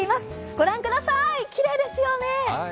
御覧ください、きれいですよね。